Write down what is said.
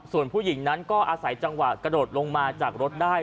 ส่วนผู้หญิงนั้นก็อาศัยจังหวะกระโดดลงมาจากรถได้